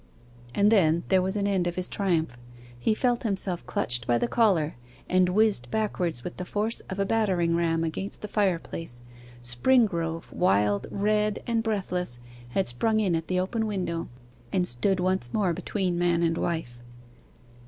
And then there was an end of his triumph. He felt himself clutched by the collar, and whizzed backwards with the force of a battering ram against the fireplace. Springrove, wild, red, and breathless, had sprung in at the open window, and stood once more between man and wife.